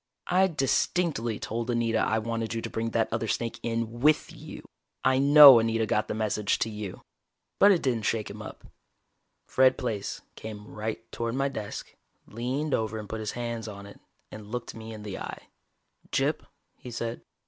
"I distinctly told Anita I wanted you to bring that other snake in with you. I know Anita got the message to you." But it didn't shake him up. Fred Plaice came right toward my desk, leaned over and put his hands on it, and looked me in the eye. "Gyp," he said.